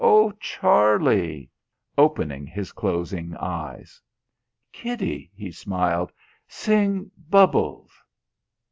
Oh Charlie!" opening his closing eyes. "Kitty!" he smiled, "sing 'Bubbles.'"